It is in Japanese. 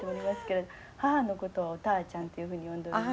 母のことはおたあちゃんというふうに呼んでおります。